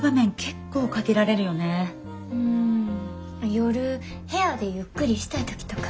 夜部屋でゆっくりしたい時とか。